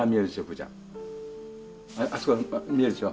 プーちゃん。あそこ見えるでしょ。